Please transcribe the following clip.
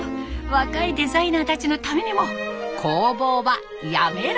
若いデザイナーたちのためにも工房はやめられません。